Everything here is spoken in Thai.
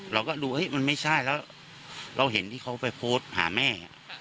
เราก็ดูมันไม่ใช่แล้วเราเห็นที่เขาไปโพสต์หาแม่